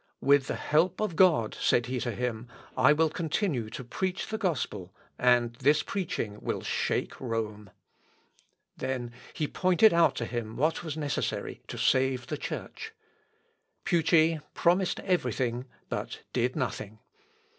"With the help of God," said he to him, "I will continue to preach the gospel, and this preaching will shake Rome." Then he pointed out to him what was necessary to save the Church. Pucci promised every thing, but did nothing.